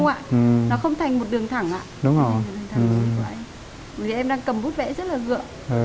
vẽ một đường thẳng như vậy vì em đang cầm bút vẽ rất là dựa